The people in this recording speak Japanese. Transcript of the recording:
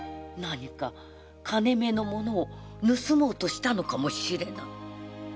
何か金目の物を盗もうとしたのかもしれない。